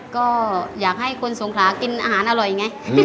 ก็อยากให้คนสงขลากินอาหารอร่อยไง